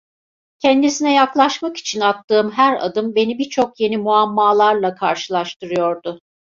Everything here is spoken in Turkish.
Kendisine yaklaşmak için attığım her adım beni birçok yeni muammalarla karşılaştırıyordu.